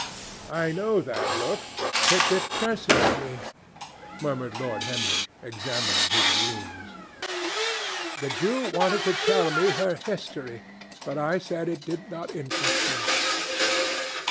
"I know that look. It depresses me," murmured Lord Henry, examining his rings. "The Jew wanted to tell me her history, but I said it did not interest me."